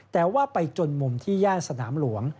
แต่ว่าไปจนมุมที่ย่านสนามหลวง